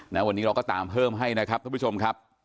วันนี้เราก็ตามเพิ่มให้นะครับท่านผู้ชมครับ